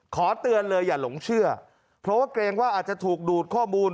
ขอเตือนเลยอย่าหลงเชื่อเพราะว่าเกรงว่าอาจจะถูกดูดข้อมูล